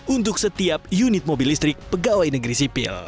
untuk setiap unit mobil listrik pegawai negeri sipil